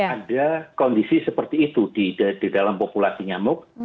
ada kondisi seperti itu di dalam populasi nyamuk